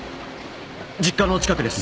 実家の近くです。